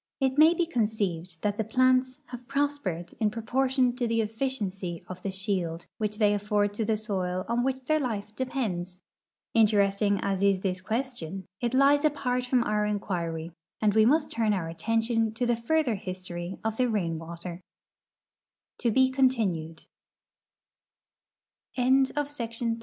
It may be conceived that the plants have pros pered in proportion to the efficiency of the shield which they afford to the soil on which their life depends. Interesting as is this question, it lies apart from our inquiry, and we must turn our attention to the further hi